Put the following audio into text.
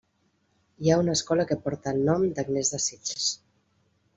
Hi ha una escola que porta el nom d'Agnès de Sitges.